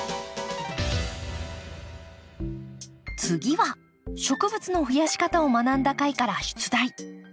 次は植物の増やし方を学んだ回から出題。